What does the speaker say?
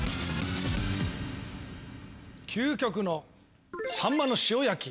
究極のサンマの塩焼き。